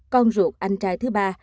con ruột anh trai thứ ba